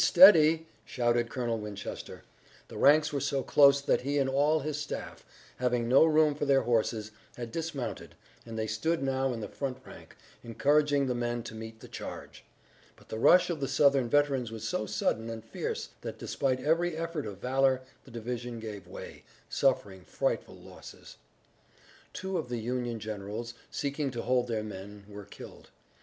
Steady!" shouted Colonel Winchester. The ranks were so close that he and all of his staff, having no room for their horses, had dismounted, and they stood now in the front rank, encouraging the men to meet the charge. But the rush of the Southern veterans was so sudden and fierce that despite every effort of valor the division gave way, suffering frightful losses. Two of the Union generals seeking to hold their men were killed.